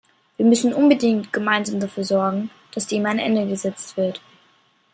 Wir müssen unbedingt gemeinsam dafür sorgen, dass dem ein Ende gesetzt wird.